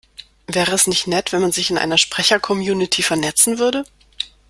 Wäre es nicht nett, wenn man sich in einer Sprechercommunity vernetzen würde?